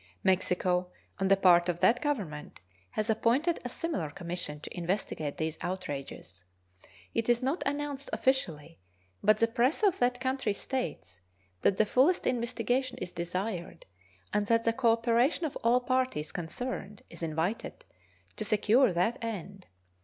Mexico, on the part of that Government, has appointed a similar commission to investigate these outrages. It is not announced officially, but the press of that country states that the fullest investigation is desired, and that the cooperation of all parties concerned is invited to secure that end.